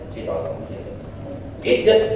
chỉ nói là không kết nhất